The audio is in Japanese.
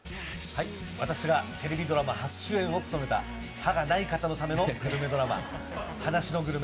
私がテレビドラマ初主演を務めた、歯がない方のためのグルメドラマ、「歯無しのグルメ」